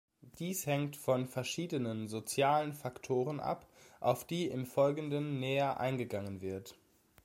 Dies hängt von verschiedenen sozialen Faktoren ab, auf die im Folgenden näher eingegangen wird.